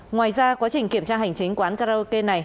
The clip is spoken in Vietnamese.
ngoài ra quá trình kiểm tra hành chính quán karaoke này